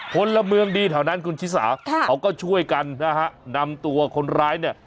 พลเมืองดีแถวนั้นคุณชิสาเขาก็ช่วยกันนะฮะนำตัวคนร้ายเนี่ย